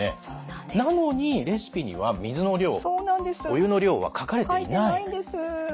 なのにレシピには水の量お湯の量は書かれていない。